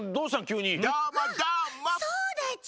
そうだち！